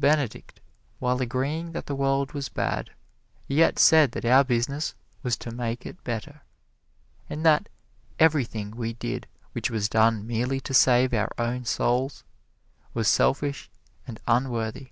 Benedict, while agreeing that the world was bad, yet said that our business was to make it better, and that everything we did which was done merely to save our own souls, was selfish and unworthy.